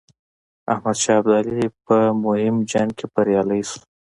احمدشاه ابدالي په مهم جنګ کې بریالی شو.